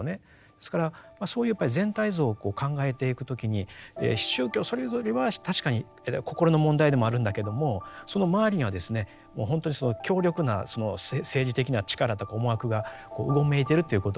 ですからそういうやっぱり全体像をこう考えていく時に宗教それぞれは確かに心の問題でもあるんだけどもその周りにはですねもう本当に強力な政治的な力とか思惑がうごめいてるということをですね